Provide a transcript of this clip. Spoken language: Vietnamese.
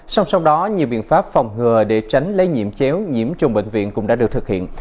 song song đó nhiều biện pháp phòng ngừa để tránh lây nhiễm chéo nhiễm trùng bệnh viện cũng đã được thực hiện